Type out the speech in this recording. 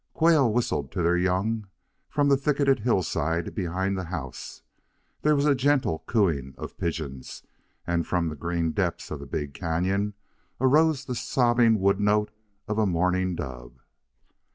Quail whistled to their young from the thicketed hillside behind the house. There was a gentle cooing of pigeons, and from the green depths of the big canon arose the sobbing wood note of a mourning dove.